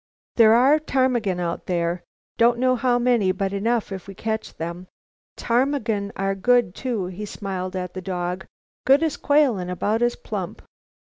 There are ptarmigan out there. Don't know how many, but enough if we catch them. Ptarmigan are good too," he smiled at the dog, "good as quail and about as plump.